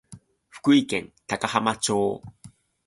福井県高浜町